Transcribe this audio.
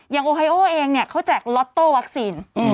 อย่างโอไฮโอเองเขาแจกล็อตโต้วัคซีน